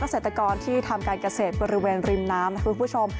เกษตรกรที่ทำการเกษตรบริเวณริมน้ำนะคุณผู้ชม